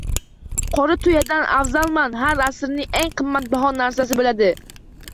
Qora tuyadan afzalman, har asrning eng qimmatbaho narsasi bo‘ladi